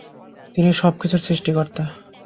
তিনিই সব কিছুর সৃষ্টিকর্তা।